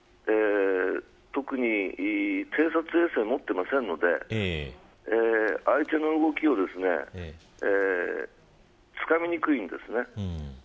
特に偵察衛星を持っていないので相手の動きをつかみにくいのです。